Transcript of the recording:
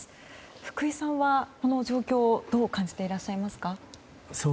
福井さんはこの状況どう感じていらっしゃいますか？